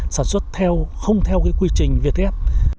sản xuất theo không theo cái quy trình việt tết